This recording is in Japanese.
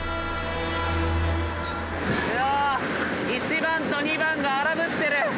うわ１番と２番が荒ぶってる。